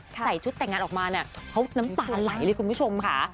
ใส่ชุดแต่งงานออกมาเนี่ยเขาน้ำตาไหลเลยคุณผู้ชมค่ะ